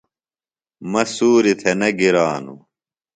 مہ سوریۡ تھےۡ نہ گرانوۡ۔